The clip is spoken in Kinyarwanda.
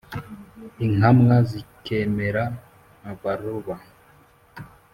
inkamwa zikemera abaroba.